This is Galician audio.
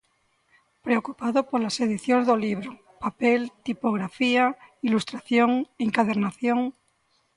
Preocupado polas edicións do libro: papel, tipografía, ilustración, encadernación.